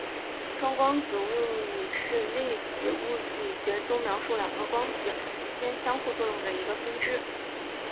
双光子物理是粒子物理学中描述两个光子间相互作用的一个分支。